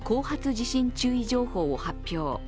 地震注意情報を発表。